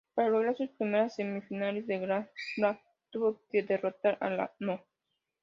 Para lograr sus primeras semifinales de Grand Slam tuvo que derrotar a la No.